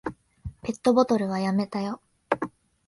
ペットボトルはやめたよ。